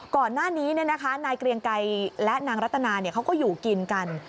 ก่อนหน้านี้นายเกรียงไกรและนางรัตนาเขาก็อยู่กินกัน